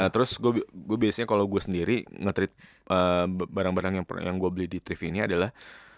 terus gue biasanya kalau gue sendiri nge treat barang barang yang gue beli di trift ini adalah